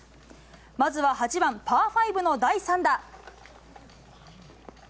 まずは８番パー５の第３打。